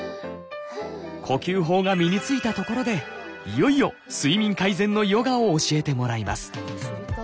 呼吸法が身についたところでいよいよ睡眠改善のヨガを教えてもらいます。